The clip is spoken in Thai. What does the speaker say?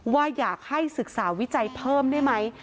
ว่าอยากให้ศึกษาวิจัยเพิ่มได้ไหม